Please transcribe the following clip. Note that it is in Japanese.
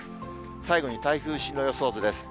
最後に台風進路予想図です。